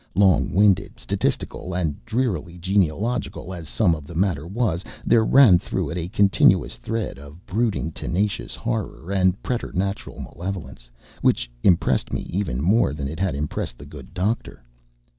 Long winded, statistical, and drearily genealogical as some of the matter was, there ran through it a continuous thread of brooding, tenacious horror and preternatural malevolence which impressed me even more than it had impressed the good doctor.